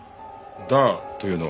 ダーというのは？